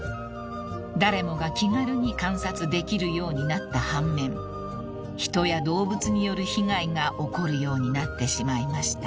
［誰もが気軽に観察できるようになった反面人や動物による被害が起こるようになってしまいました］